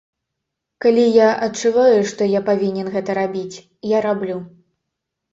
Калі я адчуваю, што я павінен гэта рабіць, я раблю.